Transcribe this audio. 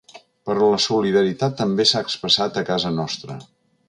Però la solidaritat també s’ha expressat a casa nostra.